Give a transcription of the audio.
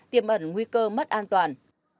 tiềm ẩn nguy cơ mất an toàn